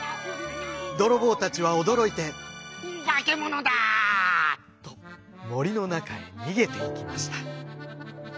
どろぼうたちはおどろいて「ばけものだ！」ともりのなかへにげていきました。